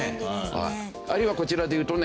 あるいはこちらでいうとね